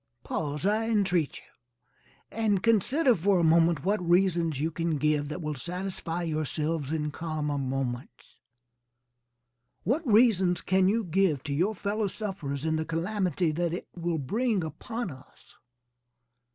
Pause, I entreat you, and consider for a moment what reasons you can give that will satisfy yourselves in calmer moments? What reasons can you give to your fellow sufferers in the calamity that it will bring upon us?